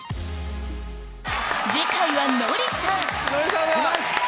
次回はノリさん！